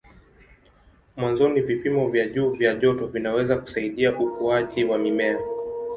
Mwanzoni vipimo vya juu vya joto vinaweza kusaidia ukuaji wa mimea.